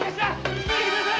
逃げてください！